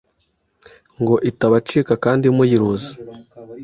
ngo itabacika kandi muyiruzi